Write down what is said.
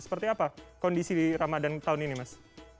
seperti apa kondisi ramadhan tahun ini mas